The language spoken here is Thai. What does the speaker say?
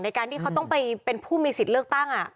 ในการที่เขาต้องไปเป็นผู้มีสิทธิ์เลือกตั้ง